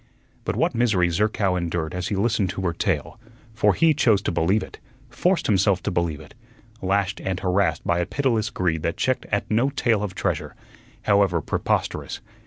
But what misery Zerkow endured as he listened to her tale! For he chose to believe it, forced himself to believe it, lashed and harassed by a pitiless greed that checked at no tale of treasure, however preposterous.